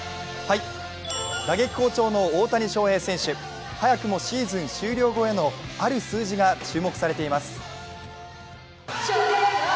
打撃好調の大谷翔平選手早くもシーズン終了後へのある数字が注目されていてます。